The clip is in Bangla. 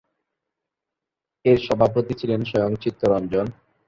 এর সভাপতি ছিলেন স্বয়ং চিত্তরঞ্জন।